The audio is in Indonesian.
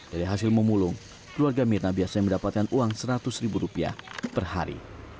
dari hasil memulung keluarga mirna biasanya mendapatkan uang seratus ribu rupiah per hari